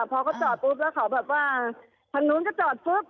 พอเขาจอดปุ๊บแล้วเขาแบบว่าทางนู้นก็จอดปุ๊บ